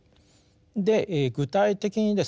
で具体的にですね